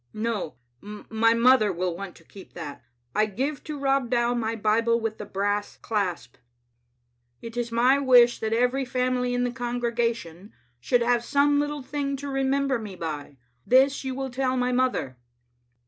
No, my mother will want to keep that. I give to Rob Dow my Bible with the brass clasp. Digitized by VjOOQ IC 864 ODe xmie Afnf6tet« " It is my wish that every family in the congregation should have some little thing to remember me by. This you will tell my mother.